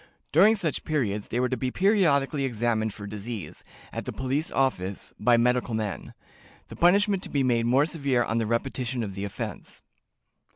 During such period they were to be periodically examined for disease, at the police office, by medical men; the punishment to be made more severe on the repetition of the offense."